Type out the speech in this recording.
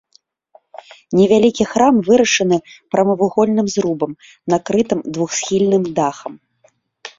Невялікі храм вырашаны прамавугольным зрубам, накрытым двухсхільным дахам.